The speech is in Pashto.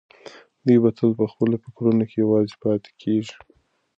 دی به تل په خپلو فکرونو کې یوازې پاتې کېږي.